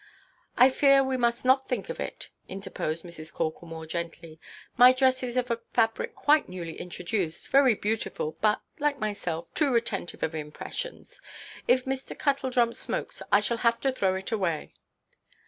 "I fear we must not think of it," interposed Mrs. Corklemore, gently; "my dress is of a fabric quite newly introduced, very beautiful, but (like myself) too retentive of impressions. If Mr. Kettledrum smokes, I shall have to throw it away."